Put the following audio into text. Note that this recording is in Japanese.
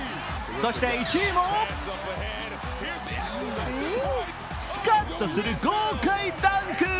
そして１位も、スカッとする豪快ダンク。